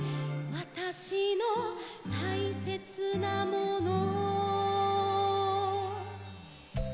「わたしのたいせつなもの」